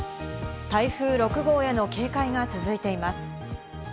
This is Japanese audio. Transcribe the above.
台風６号への警戒が続いています。